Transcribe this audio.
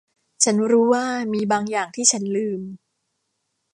ฉันรู้ว่ามีบางอย่างที่ฉันลืม